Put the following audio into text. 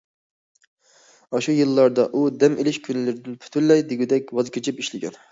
ئاشۇ يىللاردا، ئۇ دەم ئېلىش كۈنلىرىدىن پۈتۈنلەي دېگۈدەك ۋاز كېچىپ ئىشلىگەن.